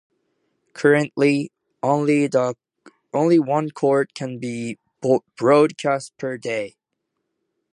Currently, only one court can be broadcast per day.